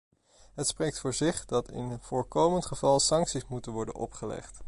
Het spreekt voor zich dat in voorkomend geval sancties moeten worden opgelegd.